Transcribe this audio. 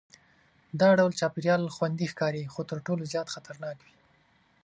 دا ډول چاپېریال خوندي ښکاري خو تر ټولو زیات خطرناک وي.